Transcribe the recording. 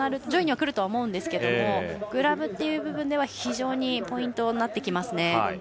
上位には来ると思いますがグラブという部分では非常にポイントになってきますね。